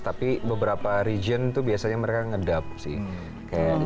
tapi beberapa region itu biasanya mereka ngedub sih